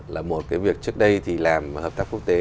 là một cái việc trước đây thì làm hợp tác quốc tế